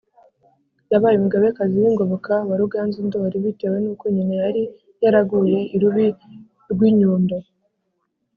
Yabaye umugabekazi w’ingoboka wa Ruganzu Ndoli bitewe n’uko nyina yari yaraguye i Rubi rw’inyundo.